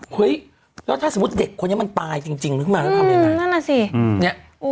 เห้ยแล้วถ้าสมมุติเด็กคนนี้มันตายจริงจริงมึงอย่างอืมเอ็นน่ะสิอือ